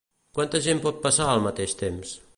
Quanta gent pot passar al mateix temps?